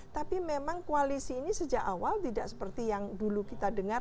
tapi memang koalisi ini sejak awal tidak seperti yang dulu kita dengar